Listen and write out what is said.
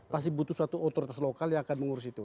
pasti butuh suatu otoritas lokal yang akan mengurus itu